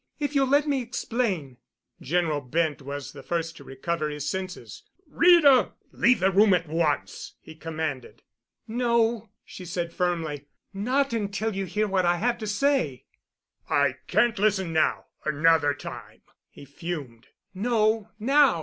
If you'll let me explain——" General Bent was the first to recover his senses. "Rita! Leave the room at once!" he commanded. "No," she said firmly, "not until you hear what I have to say——" "I can't listen now—another time," he fumed. "No, now.